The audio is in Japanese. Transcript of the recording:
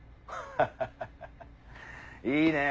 ハハハハいいねぇ。